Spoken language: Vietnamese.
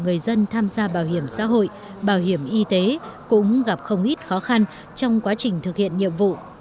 người dân tham gia bảo hiểm xã hội bảo hiểm y tế cũng gặp không ít khó khăn trong quá trình thực hiện nhiệm vụ